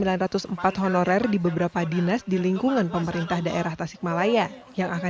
di kabupaten tasikmalaya ada satu sembilan ratus empat honorer di beberapa dinas di lingkungan pemerintah daerah tasikmalaya